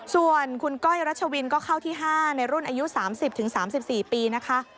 ส่วนคุณก้อยรัชวินก็เข้าที่๕ในรุ่นอายุ๓๐๓๔ปีนะคะ